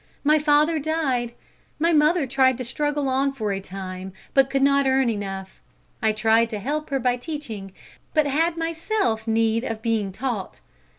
My father died. My mother tried to struggle on for a time, but could not earn enough; I tried to help her by teaching, but had myself need of being taught.